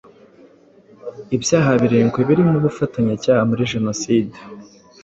ibyaha birindwi birimo ubufatanya cyaha muri Jenoside,